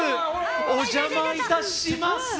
お邪魔いたします。